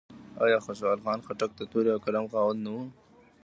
آیا خوشحال خان خټک د تورې او قلم خاوند نه و؟